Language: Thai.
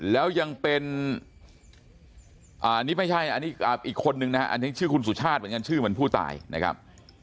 แล้วยังเป็นอันนี้ไม่ใช่อันนี้อีกคนนึงนะฮะอันนี้ชื่อคุณสุชาติเหมือนกันชื่อเหมือนผู้ตายนะครับ